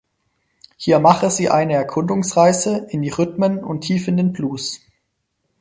Hier mache sie eine Erkundungsreise in die Rhythmen und tief in den Blues.